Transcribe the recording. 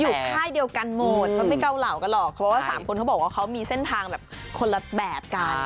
ค่ายเดียวกันหมดเขาไม่เกาเหล่ากันหรอกเพราะว่าสามคนเขาบอกว่าเขามีเส้นทางแบบคนละแบบกัน